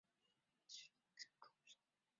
具备处理行政事务之处所